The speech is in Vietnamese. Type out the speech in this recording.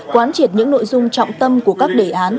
quán triệt những nội dung trọng tâm của các đề án